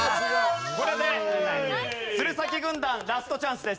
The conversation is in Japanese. これで鶴崎軍団ラストチャンスです。